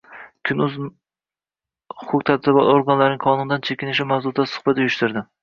Kun.uz huquq-tartibot organlarining qonunlardan chekinishi mavzusida suhbat uyushtirdi.